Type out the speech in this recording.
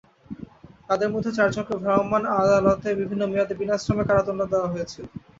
তাদের মধ্যে চারজনকে ভ্রাম্যমাণ আদালতে বিভিন্ন মেয়াদে বিনাশ্রম কারাদণ্ড দেওয়া হয়েছে।